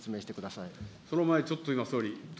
その前にちょっと今、総理。